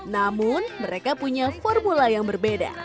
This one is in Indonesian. namun mereka punya formula yang berbeda